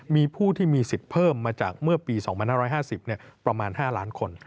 มีผู้ที่มีสิทธิ์เพิ่มมาจากเมื่อปี๒๕๕๐ประมาณ๕ล้านคน